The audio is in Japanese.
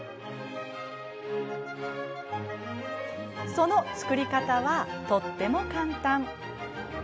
その作り方は、とっても簡単。